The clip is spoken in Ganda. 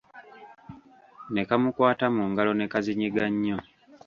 Ne kamukwata mu ngalo ne kazinyiga nnyo.